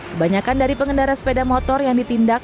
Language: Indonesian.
kebanyakan dari pengendara sepeda motor yang ditindak